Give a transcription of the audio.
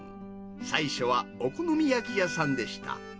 最初はお好み焼き屋さんでした。